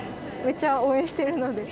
めちゃ応援してるので。